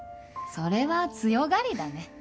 それは強がりだね。